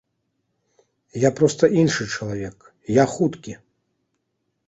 Я проста іншы чалавек, я хуткі.